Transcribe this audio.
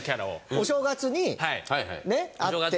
お正月にね会って。